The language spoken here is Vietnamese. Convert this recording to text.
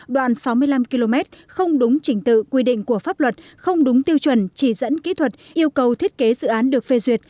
đoạn sáu mươi năm km không đúng trình tự quy định của pháp luật không đúng tiêu chuẩn chỉ dẫn kỹ thuật yêu cầu thiết kế dự án được phê duyệt